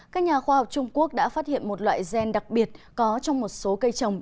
các nhà khoa học trung quốc đã phát hiện một loại gen đặc biệt có trong một số cây trồng